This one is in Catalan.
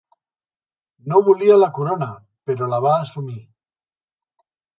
No volia la corona però la va assumir.